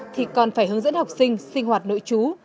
thì còn phải hướng dẫn học sinh sinh hoạt nội chú